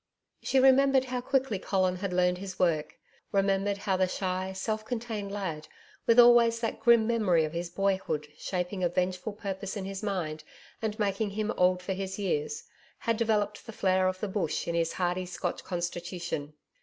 She remembered how quickly Colin had learned his work remembered how the shy self contained lad, with always that grim memory of his boyhood shaping a vengeful purpose in his mind and making him old for his years, had developed the flair of the Bush in his hardy Scotch constitution.